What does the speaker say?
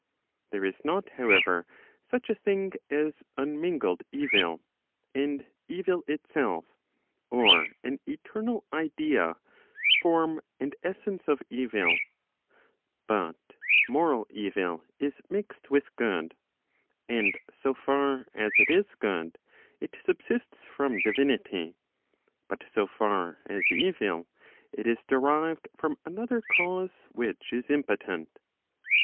There is not, however, such a thing as unmingled evil, and evil itself, or an eternal idea, form and essence of evil, but moral evil is mixed with good, and so far as it is good, it subsists from divinity, but so far as evil, it is derived from another cause which is impotent.